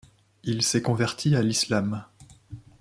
Il s'est converti à l'islam.